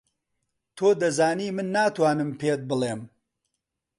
تۆ دەزانی من ناتوانم پێت بڵێم.